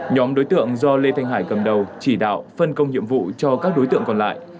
nhóm đối tượng do lê thanh hải cầm đầu chỉ đạo phân công nhiệm vụ cho các đối tượng còn lại